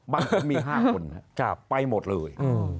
บ้านผมมี๕คนไปหมดเลย